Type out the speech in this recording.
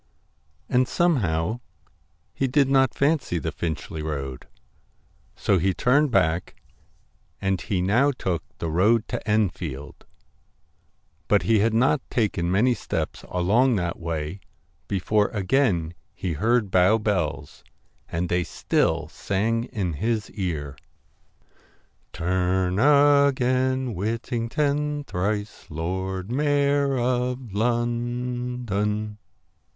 And somehow, he did not fancy the Finchley road, so he turned back and he now took the road to Enfield. But he had not taken many steps along that way before again he heard Bow bells, and they still sang in his ear 'Turn again, Whittington, Thrice Lord Mayor of London.'